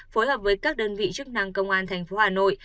phối hợp với các đơn vị chức năng công an thành phố hà nội